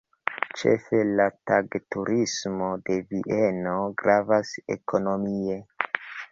Ĉefe la tag-turismo de Vieno gravas ekonomie.